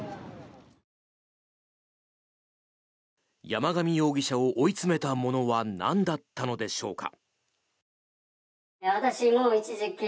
山上容疑者を追い詰めたものはなんだったのでしょうか。